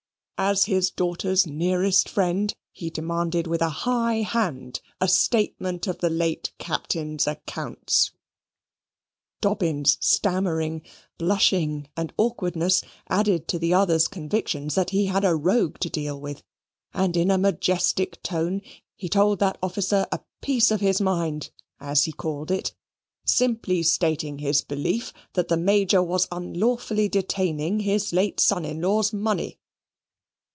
As his daughter's nearest friend, he demanded with a high hand a statement of the late Captain's accounts. Dobbin's stammering, blushing, and awkwardness added to the other's convictions that he had a rogue to deal with, and in a majestic tone he told that officer a piece of his mind, as he called it, simply stating his belief that the Major was unlawfully detaining his late son in law's money.